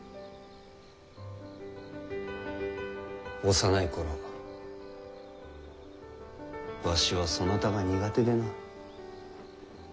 幼い頃わしはそなたが苦手でな。